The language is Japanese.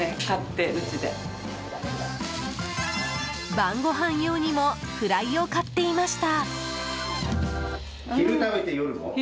晩ごはん用にもふらいを買っていました。